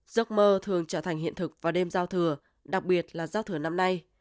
giấc mơ thường trở thành hiện thực vào đêm giao thừa đặc biệt là giao thừa năm nay